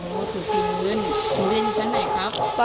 ถูกพื้นถูกพื้นชั้นไหนครับ